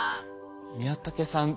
宮竹さん